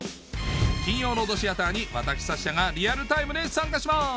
金曜ロードシアターに私サッシャがリアルタイムで参加します！